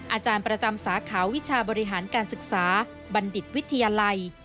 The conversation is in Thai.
อาจารย์ประจำสาขาวิชาบริหารการศึกษาบัณฑิตวิทยาลัย